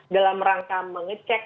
dalam rangka mengecek